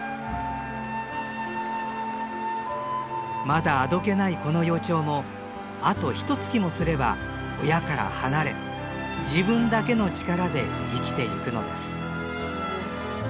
まだあどけないこの幼鳥もあとひとつきもすれば親から離れ自分だけの力で生きていくのです。